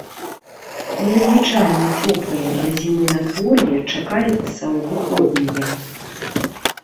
Незвычайна цёплае для зімы надвор'е чакаецца ў выходныя.